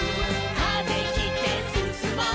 「風切ってすすもう」